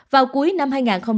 vào cuối năm hai nghìn hai mươi một